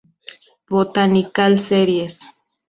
Botanical Series.